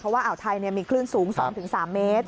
ว่าอ่าวไทยมีคลื่นสูง๒๓เมตร